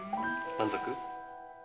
満足？